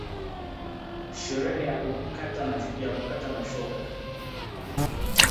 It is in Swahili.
Sherehe ya kukata na shoka